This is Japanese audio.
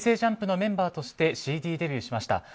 ＪＵＭＰのメンバーとしてＣＤデビューしました。